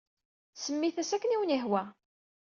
Semmit-as akken ay awen-yehwa.